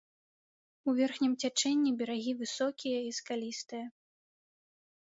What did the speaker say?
У верхнім цячэнні берагі высокія і скалістыя.